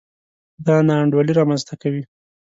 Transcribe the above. دا نا انډولي رامنځته کوي.